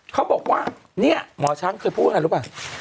เขาบอกว่าหมอช้างเคยพูดเรื่องอะไรรู้ปะ